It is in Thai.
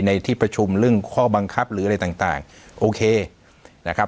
ในที่ประชุมเรื่องข้อบังคับหรืออะไรต่างโอเคนะครับ